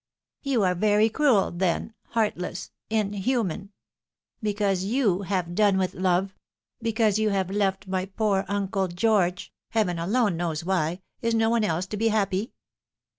" You are very cruel, then heartless inhuman. Because you have done with love because you have left my poor Uncle George Heaven alone knows why is no one else to be happy?"